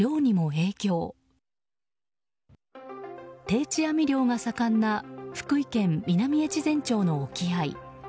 定置網漁が盛んな福井県南越前町の沖合。